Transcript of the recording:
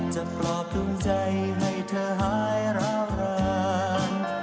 จะปลอบดวงใจให้เธอหายราวร้าน